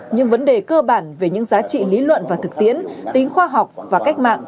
nhưng vấn đề cơ bản về những giá trị lý luận và thực tiễn tính khoa học và cách mạng